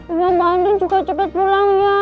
iya danding juga cepet pulang ya